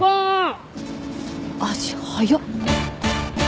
足速っ。